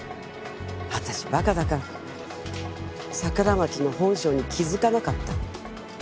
私馬鹿だから桜町の本性に気づかなかった。